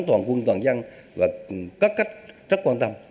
toàn quân toàn dân và các cách rất quan tâm